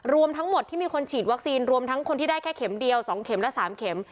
รวมทั้งหมดที่มีคนฉีดวัคซีนรวมทั้งคนที่ได้แค่เข็มเดียว๒เข็มและ๓เข็ม